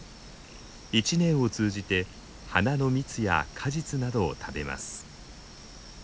一年を通じて花の蜜や果実などを食べます。